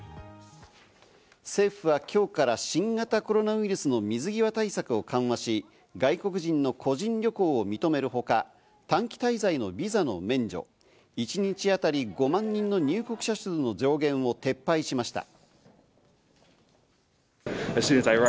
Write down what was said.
政府は今日から新型コロナウイルスの水際対策を緩和し、外国人の個人旅行を認めるほか、短期滞在のビザの免除、一日当たり５万人の入国者数の上限を撤廃しました。